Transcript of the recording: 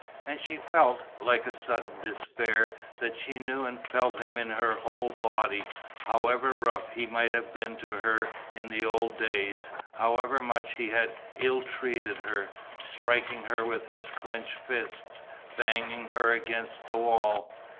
And she felt, like a sudden despair, that she knew and felt him in her whole body. However rough he might have been to her in the old days, however much he had ill treated her, striking her with his clenched fist, banging her against the wall